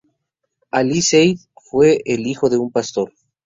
Ali Said fue el hijo de un pastor.